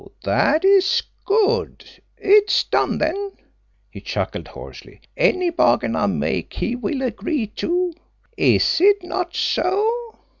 That is good! It is done then." He chuckled hoarsely. "Any bargain I make he will agree to. Is it not so?"